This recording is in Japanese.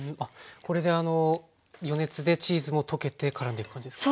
これで余熱でチーズも溶けてからんでいく感じですか？